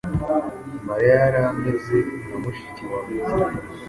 Mariya yari ameze nka mushiki wanjye.